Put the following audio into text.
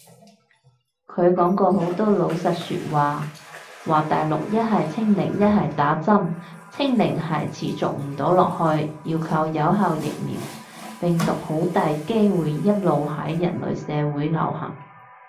佢講過好多老實說話，話大陸一係清零一係打針，清零係持續唔到落去，要靠有效疫苗，病毒好大機會一路喺人類社會流行